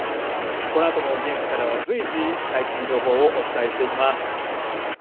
このあとも現地から随時、最新情報をお伝えしていきます。